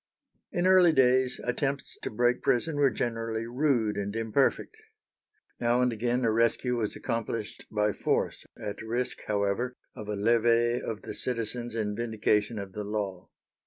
In early days attempts to break prison were generally rude and imperfect. Now and again a rescue was accomplished by force, at risk, however, of a levée of the citizens in vindication of the law.